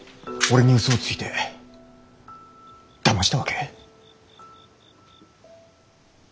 俺にウソをついてだましたわけ？